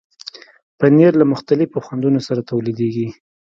پنېر له مختلفو خوندونو سره تولیدېږي.